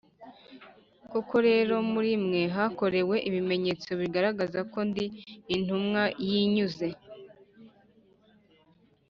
Koko rero muri mwe hakorewe ibimenyetso bigaragaza ko ndi intumwa binyuze